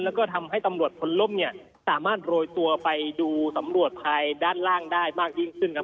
แล้วก็ทำให้ตำรวจพลล่มเนี่ยสามารถโรยตัวไปดูสำรวจภายด้านล่างได้มากยิ่งขึ้นครับ